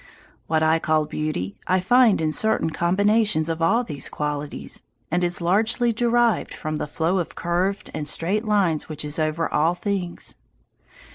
What I call beauty I find in certain combinations of all these qualities, and is largely derived from the flow of curved and straight lines which is over all things.